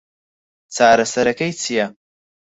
چارەسەرەکەی چییە؟